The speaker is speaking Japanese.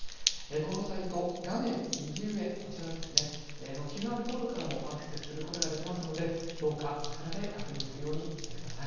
このサイト、画面右上、こちらのＱＲコードからもアクセスすることができますので、どうかそちらで確認するようにしてください。